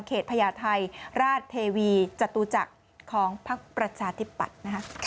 พญาไทยราชเทวีจตุจักรของพักประชาธิปัตย์